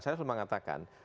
saya sudah mengatakan